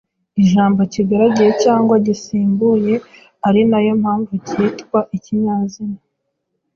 ijambo kigaragiye cyangwa gisimbuye ari nayo mpamvu kitwa ikinyazina